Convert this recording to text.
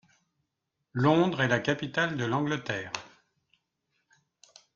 Londres est la capitale de l'Angleterre.